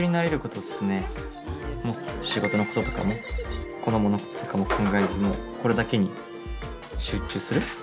仕事のこととかも子どものこととかも考えずこれだけに集中する。